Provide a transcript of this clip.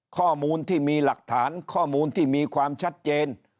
ข้อมูลที่มีหลักฐานข้อมูลที่มีความชัดเจน